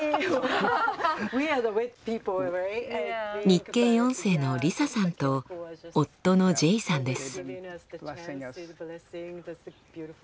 日系４世のリサさんと夫のジェイさんです。